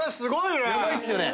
ヤバいっすよね。